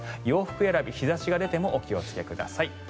洋服選び、日差しが出てもお気をつけください。